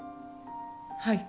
はい。